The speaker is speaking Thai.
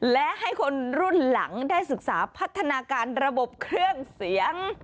และให้คนรุ่นหลังได้ศึกษาพัฒนาการระบบเครื่องเสียง